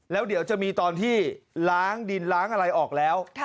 แล้วเดี๋ยวจะมีตอนที่ล้างดินล้างอะไรออกแล้ว